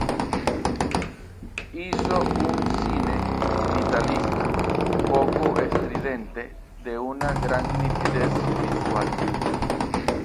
Hizo un cine "vitalista, poco estridente, de una gran nitidez visual".